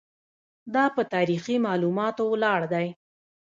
دا په تاریخي معلوماتو ولاړ دی.